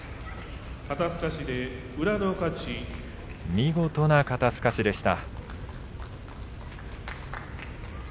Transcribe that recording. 見事な肩すかしでした。